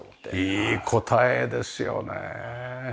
いい答えですよね。